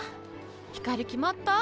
光決まった？